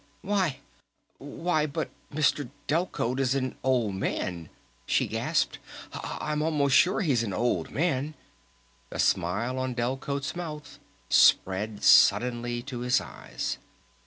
"Why why, but Mr. Delcote is an old man," she gasped. "I'm almost sure he's an old man." The smile on Delcote's mouth spread suddenly to his eyes.